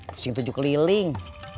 pusing tujuh keliling